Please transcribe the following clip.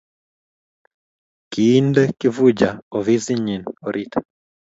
Kiinde Kifuja ofisinyi orit